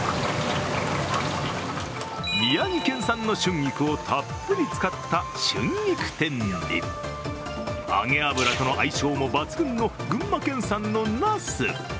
宮城県産の春菊をたっぷり使った春菊天に揚げ油との相性も抜群の群馬県産のなす。